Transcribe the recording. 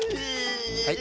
はい。